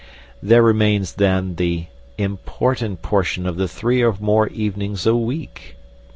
There remains, then, the important portion of the three or more evenings a week.